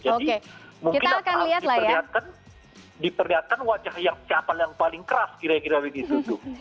jadi mungkin akan diperlihatkan wajah siapa yang paling keras kira kira begitu tuh